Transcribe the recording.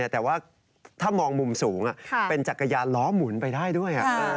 แต่ว่าถ้ามองมุมสูงเป็นจักรยานล้อหมุนไปได้ด้วย